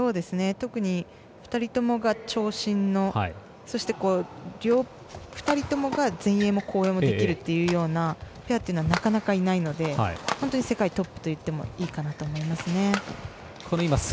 特に２人ともが長身のそして、２人ともが前衛も後衛もできるというペアというのはなかなかいないので本当に世界トップといってもいいかなと思います。